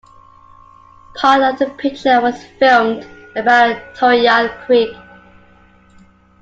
Part of the picture was filmed about Tarryall Creek.